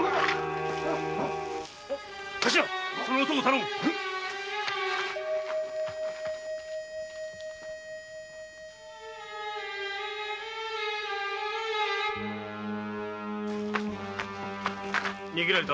カシラその男を頼む逃げられた。